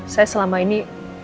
saya selama ini